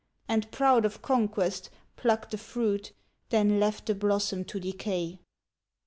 And proud of conquest, plucked the fruit, Then left the blossom to decay.